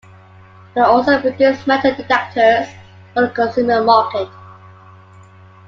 They also produce metal detectors for the consumer market.